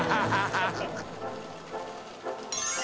ハハハ